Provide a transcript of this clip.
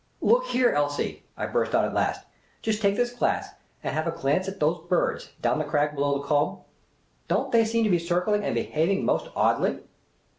" Look here, Elsie," I burst out at last. " Just take this glass and have a glance at those birds, down the crag below the Kulm. Don't they seem to be circling and behaving most oddly?"